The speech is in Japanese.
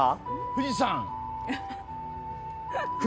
富士山？